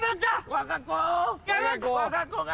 わが子が。